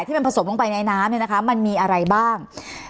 มันผสมลงไปในน้ำเนี่ยนะคะมันมีอะไรบ้าง